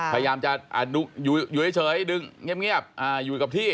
พยายามจะอยู่เฉยดึงเงียบอยู่กับที่